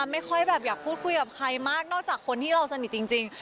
ไม่ค่อยแบบอยากพูดคุยกับใครมากนอกจากคนที่เราสนิทจริง